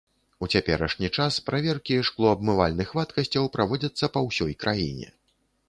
У цяперашні час праверкі шклоабмывальных вадкасцяў праводзяцца па ўсёй краіне.